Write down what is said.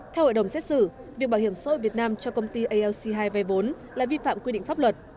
theo hội đồng xét xử việc bảo hiểm xã hội việt nam cho công ty alc hai vay vốn là vi phạm quy định pháp luật